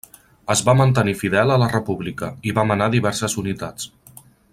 Es va mantenir fidel a la República, i va manar diverses unitats.